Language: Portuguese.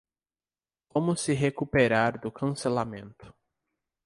Como se recuperar do cancelamento